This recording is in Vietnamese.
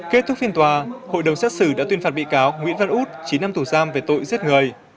kết thúc phiên tòa hội đồng xét xử đã tuyên phạt bị cáo nguyễn văn út chín năm tù giam về tội giết người